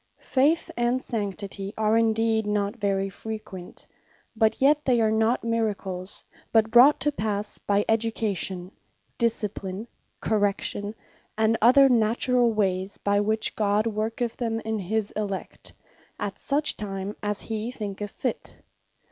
Faith, and Sanctity, are indeed not very frequent; but yet they are not Miracles, but brought to passe by education, discipline, correction, and other naturall wayes, by which God worketh them in his elect, as such time as he thinketh fit.